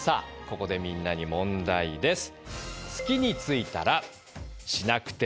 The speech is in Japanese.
ここでみんなに問題です。